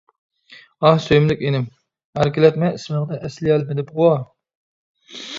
ئاھ سۆيۈملۈك ئىنىم، ئەركىلەتمە ئىسمىڭنى ئەسلىيەلمىدىمغۇ.